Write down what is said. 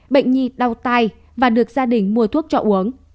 bệnh nhi đau tay và được gia đình mua thuốc cho uống